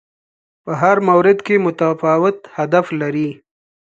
په هر مورد کې متفاوت هدف لري